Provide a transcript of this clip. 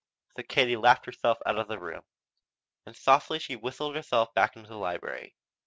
So Katie laughed herself out of the room. And softly she whistled herself back into the library.